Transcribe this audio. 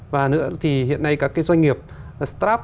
và nữa thì hiện nay các cái doanh nghiệp startup